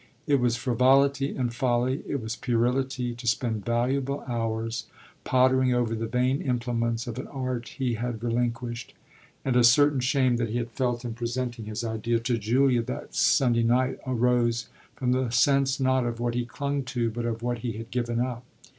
It was frivolity and folly, it was puerility, to spend valuable hours pottering over the vain implements of an art he had relinquished; and a certain shame that he had felt in presenting his plea to Julia that Sunday night arose from the sense not of what he clung to, but of what he had given up.